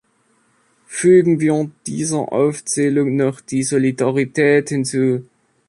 Fügen wir dieser Aufzählung noch die Solidarität hinzu.